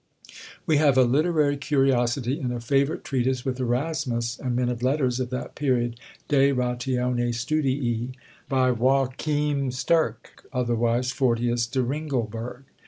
We have a literary curiosity in a favourite treatise with Erasmus and men of letters of that period, De Ratione Studii, by Joachim Sterck, otherwise Fortius de Ringelberg.